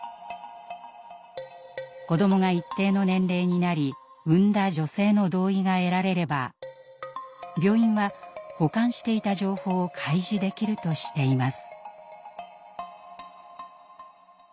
子どもが一定の年齢になり産んだ女性の同意が得られれば病院は保管していた情報を開示できるとしています。